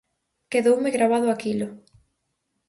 Quedoume gravado aquilo.